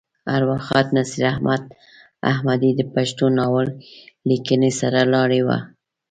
ارواښاد نصیر احمد احمدي د پښتو ناول لیکنې سر لاری وه.